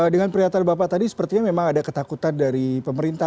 dengan pernyataan bapak tadi sepertinya memang ada ketakutan dari pemerintah